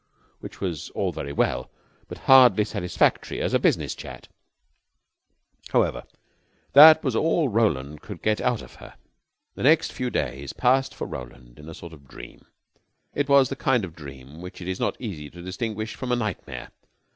Which was all very well, but hardly satisfactory as a business chat. However, that was all Roland could get out of her. The next few days passed for Roland in a sort of dream. It was the kind of dream which it is not easy to distinguish from a nightmare.